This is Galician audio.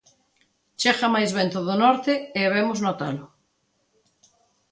Chega máis vento do norte, e habemos notalo.